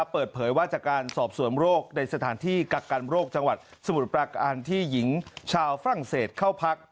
เปิดเผยว่าจากการสอบสวนโรคในสถานที่กักกันโรคจังหวัดสมุทรปราการที่หญิงชาวฝรั่งเศสเข้าพัก